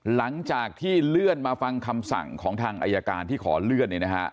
หลังจากที่เลื่อนมาฟังคำสั่งของทางอายการที่ขอเลื่อน